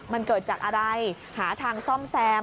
มันเกิดจากอะไรหาทางซ่อมแซม